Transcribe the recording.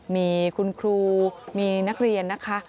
มีคุณครูมีนักเรียนนะคะ